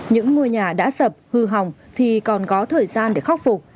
những ngôi nhà đã sập hư hỏng thì còn có thời gian để khắc phục